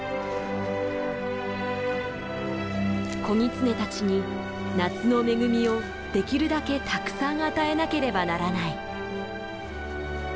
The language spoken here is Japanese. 子ギツネたちに夏の恵みをできるだけたくさん与えなければならない。